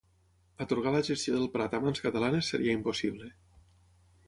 atorgar la gestió del Prat a mans catalanes seria impossible